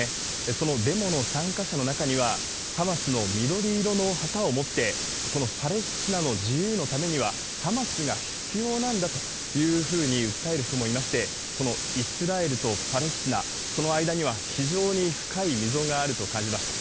そのデモの参加者の中には、ハマスの緑色の旗を持って、このパレスチナの自由のためにはハマスが必要なんだというふうに訴える人もいまして、このイスラエルとパレスチナ、その間には非常に深い溝があると感じました。